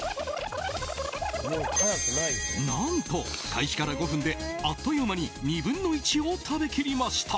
何と開始から５分であっという間に２分の１を食べ切りました。